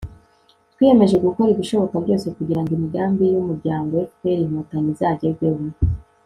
twiyemeje gukora ibishoboka byose kugirango imigambi y'umuryango fpr-inkotanyi - izagerweho